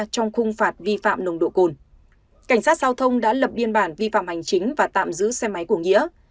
cảnh sát giao thông đã lập biên bản vi phạm hành chính và tạm giữ xe máy của nhĩa